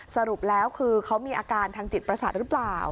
สรุปแล้วคือเขามีอาการทางจิตประสาทหรือเปล่า